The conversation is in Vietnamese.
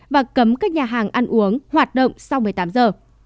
và cấm các nhà hàng ăn uống hoạt động sau một mươi tám giờ